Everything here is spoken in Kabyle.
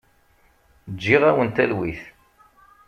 Ǧǧiɣ-awent talwit.